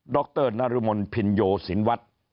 ดรนพิญโยศินร์วัสดิ์